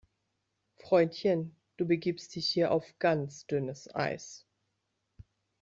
Freundchen, du begibst dich hier auf ganz dünnes Eis!